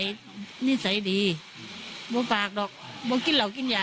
นิสัยนิสัยดีบอกบอกบอกกินเหรอกินยา